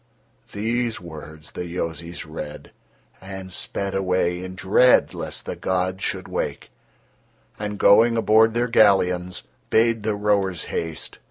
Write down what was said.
These words the Yozis read, and sped away in dread lest the gods should wake, and going aboard their galleons, bade the rowers haste.